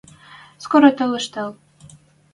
Скоро толеш тел.